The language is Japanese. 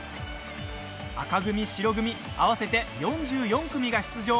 −紅組、白組合わせて４４組が出場。